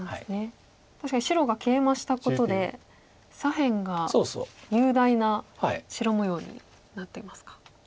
確かに白がケイマしたことで左辺が雄大な白模様になってますか。